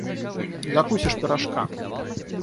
Закусишь пирожка!